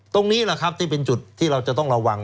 ตรงนี้แหละครับที่เป็นจุดที่เราจะต้องระวัง